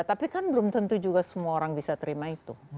tapi kan belum tentu juga semua orang bisa terima itu